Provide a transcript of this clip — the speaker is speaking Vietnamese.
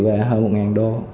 về hơn một đồng